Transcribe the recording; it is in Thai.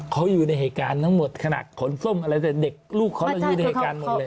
เขาอยู่ในเหตุการณ์ทั้งหมดขนาดขนส้มอะไรแต่เด็กลูกเขาเราอยู่ในเหตุการณ์หมดเลย